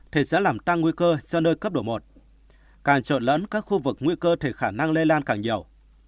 thì sẽ làm tăng nguy cơ cho nơi cấp độ một càng trợn lẫn các khu vực nguy cơ thì khả năng lây lan càng nhiều